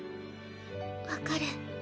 分かる。